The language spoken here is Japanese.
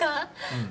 うん。